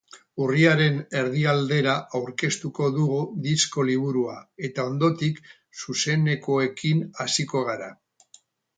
Urriaren erdi aldera aurkeztuko dugu disko-liburua, eta ondotik zuzenekoekin hasiko gara.